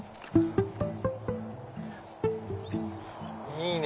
いいね！